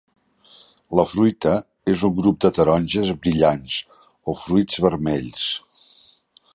La fruita és un grup de taronges brillants o fruits vermells.